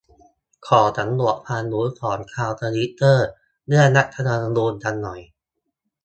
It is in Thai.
ขอสำรวจความรู้ ของชาวทวิตเตอร์เรื่อง รัฐธรรมนูญ กันหน่อย